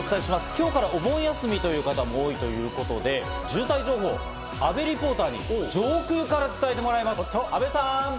今日からお盆休みという方も多いということで、渋滞情報を阿部リポーターに上空から伝えてもらいます、阿部さん。